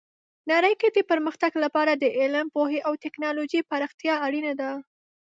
نړۍ کې د پرمختګ لپاره د علم، پوهې او ټیکنالوژۍ پراختیا اړینه ده.